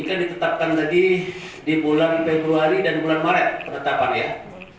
ini kan ditetapkan tadi di bulan februari dan bulan maret penetapannya